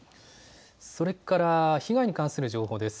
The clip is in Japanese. それから、被害に関する情報です。